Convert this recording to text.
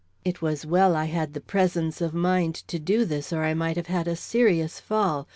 It was well I had the presence of mind to do this, or I might have had a serious fall.